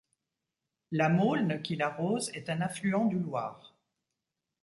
La Maulne qui l'arrose est un affluent du Loir.